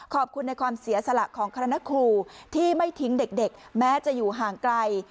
ขอบคุณในความเสียสละของคณะครูที่ไม่ทิ้งเด็กแม้จะอยู่ห่างไกล